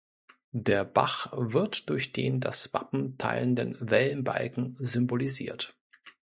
Der Bach wird durch den das Wappen teilenden Wellenbalken symbolisiert.